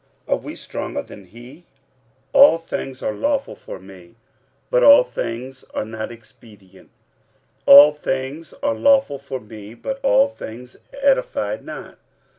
are we stronger than he? 46:010:023 All things are lawful for me, but all things are not expedient: all things are lawful for me, but all things edify not.